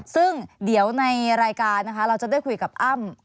ซึ่งเดี๋ยวในรายการนะคะเราจะได้คุยกับอ้ำ